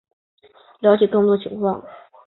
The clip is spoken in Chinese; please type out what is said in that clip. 了解更多情况